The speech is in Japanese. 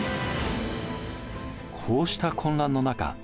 こうした混乱の中